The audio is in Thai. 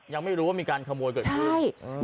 ยังไม่รู้ว่ามีการขโมยเกิดขึ้นใช่